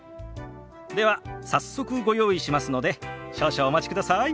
では早速ご用意しますので少々お待ちください。